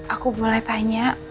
aku boleh tanya